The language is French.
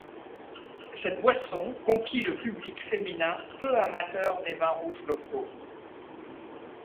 Cette boisson conquit le public féminin peu amateur des vins rouges locaux.